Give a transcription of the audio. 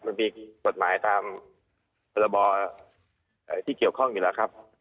มันมีกฎหมายตามพรบที่เกี่ยวข้องอยู่แล้วครับ